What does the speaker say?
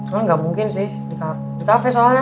nggak mungkin sih di cafe soalnya